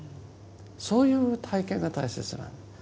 そういう体験が大切なんです。